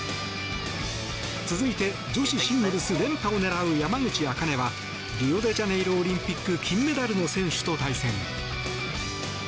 続いて、女子シングルス連覇を狙う山口茜はリオデジャネイロオリンピック金メダルの選手と対戦。